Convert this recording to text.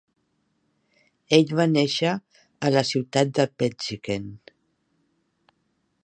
Ell va néixer a la ciutat de Pendjikent.